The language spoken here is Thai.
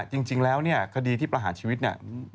จริงแล้วเนี่ยคดีที่ประหารชีวิตเนี่ย